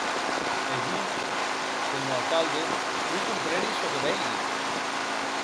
E jo, senhor alcalde, non compreni çò que veigui.